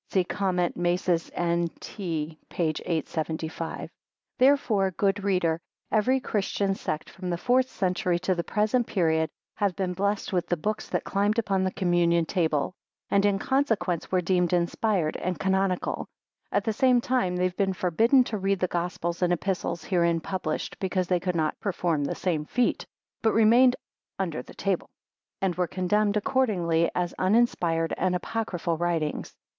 (See Com. Mace's N. T. p. 875.) Therefore, good reader, every Christian sect from the fourth century to the present period, have been blessed with the books that climbed upon the communion table, and in consequence were deemed inspired and canonical; at the same time have been forbidden to read the Gospels and Epistles herein published, because they could not perform the same feat, but remained under the table, and were condemned accordingly, as uninspired and apocryphal writings.